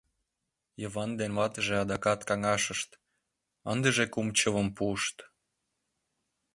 Йыван ден ватыже адакат каҥашышт, ындыже кум чывым пуышт.